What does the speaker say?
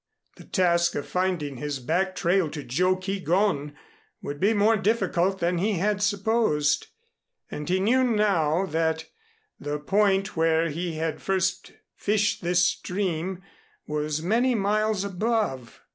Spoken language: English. The task of finding his back trail to Joe Keegón would be more difficult than he had supposed, and he knew now that the point where he had first fished this stream was many miles above.